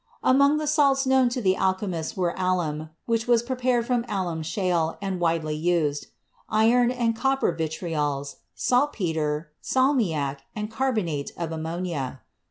Among the salts known to the alchemists were alum, which was prepared from alum shale and widely used; iron and copper vitriols; saltpeter, salmiac and carbonate of ammonia.